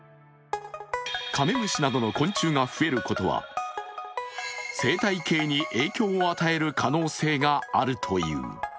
カメムシなどの昆虫が増えることは生態系に影響を与える可能性があるという。